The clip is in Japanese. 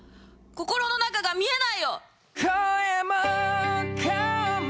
心の中が見えないよ！